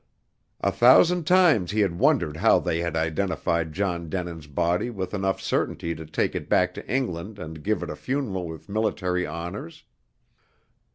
A thousand times he had wondered how they had identified John Denin's body with enough certainty to take it back to England and give it a funeral with military honors.